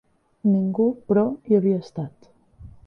Ningú, però, hi havia estat.